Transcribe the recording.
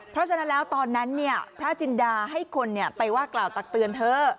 เพราะฉะนั้นแล้วตอนนั้นพระจินดาให้คนไปว่ากล่าวตักเตือนเธอ